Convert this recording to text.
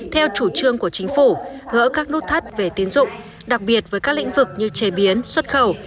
theo chủ trương của chính phủ gỡ các nút thắt về tín dụng đặc biệt với các lĩnh vực như chế biến xuất khẩu